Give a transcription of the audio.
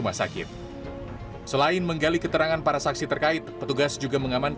mungkin hasil pemeriksaan ini nanti bisa disimpulkan oleh penyidik dan timnya tim penyidik